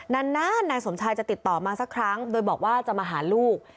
นานนายสมชายจะติดต่อมาสักครั้งโดยบอกว่าจะมาหาลูก